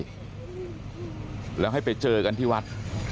ขอให้มาเจอกันดิแล้วให้ไปเจอกันที่วัด